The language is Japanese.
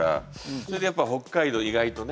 それで、やっぱ北海道、意外とね。